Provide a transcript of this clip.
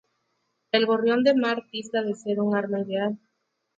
El Gorrión de mar dista de ser un arma ideal.